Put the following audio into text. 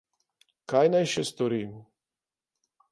Kaj naj še storim?